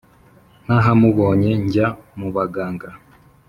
ntahamubonye njya mu baganga.